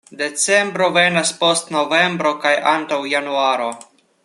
Decembro venas post novembro kaj antaŭ januaro.